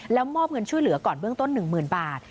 แล้วมอบเงินช่วยเหลือก่อนเบื้องต้น๑๐๐๐บาท